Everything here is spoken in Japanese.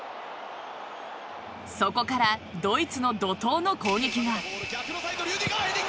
そこからドイツの怒とうの攻撃が。